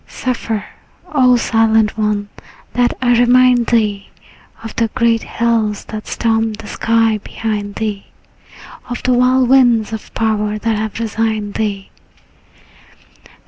Suffer, O silent one, that I remind thee Of the great hills that stormed the sky behind thee, Of the wild winds of power that have resigned thee.